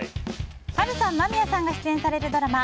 波瑠さん、間宮さんが出演されるドラマ